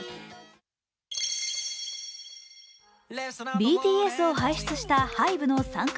ＢＴＳを輩出したＨＹＢＥの参加